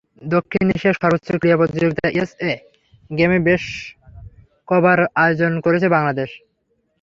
দক্ষিণ এশিয়ার সর্বোচ্চ ক্রীড়া প্রতিযোগিতা এসএ গেমস বেশ কবার আয়োজন করেছে বাংলাদেশ।